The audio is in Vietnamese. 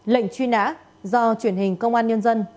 lệnh truy nã do truyền hình công an nhân dân